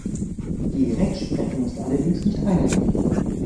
Die Rechtsprechung ist allerdings nicht einheitlich.